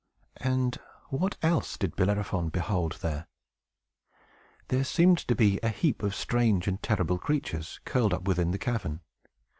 And what else did Bellerophon behold there? There seemed to be a heap of strange and terrible creatures curled up within the cavern.